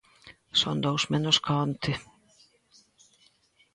Son dous menos ca onte.